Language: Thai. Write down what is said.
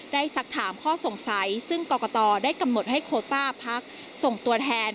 สักถามข้อสงสัยซึ่งกรกตได้กำหนดให้โคต้าพักส่งตัวแทน